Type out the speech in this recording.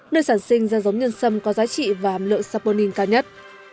nơi sản sinh ra giống nhân sâm có giá trị và hàm lượng saponin cao nhất